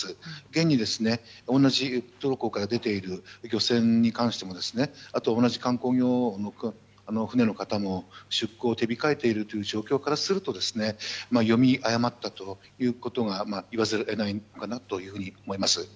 現に、同じウトロ港から出ている漁船に関してもあとは同じ観光業の船の方も出航を手控えているという状況からすると読み誤ったということを言わざるを得ないのかなと思います。